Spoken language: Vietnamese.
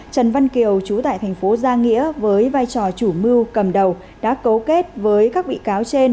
trần văn kiều trú tại tp gia nghĩa với vai trò chủ mưu cầm đầu đã cấu kết với các bị cáo trên